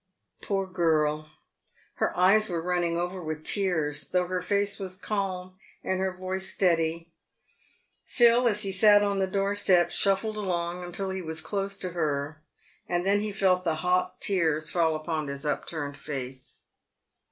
Poor girl, her eyes were running over with tears, though her face was calm and her voice steady. Phil, as he sat on the door step, shuffled along until he was close to her, and then he felt the hot tears fall upon his upturned face.